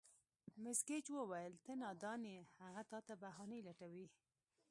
مېس ګېج وویل: ته نادان یې، هغه تا ته بهانې لټوي.